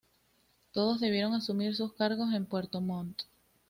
Todos debieron asumir sus cargos en Puerto Montt.